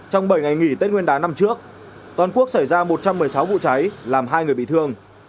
trong bảy ngày nghỉ tết nguyên đán năm trước toàn quốc xảy ra một trăm một mươi sáu vụ cháy làm hai người bị thương